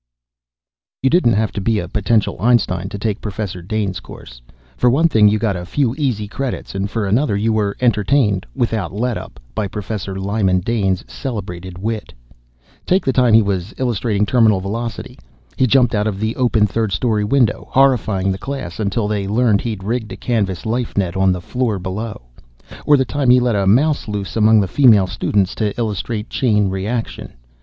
You didn't have to be a potential Einstein to take Professor Dane's course. For one thing you got a few easy credits and for another you were entertained without letup by Professor Lyman Dane's celebrated wit. Take the time he was illustrating terminal velocity. He jumped out of the open third story window, horrifying the class, until they learned he'd rigged a canvas life net on the floor below. Or the time he let a mouse loose among the female students to illustrate chain reaction.